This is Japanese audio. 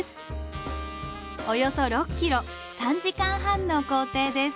およそ６ｋｍ３時間半の行程です。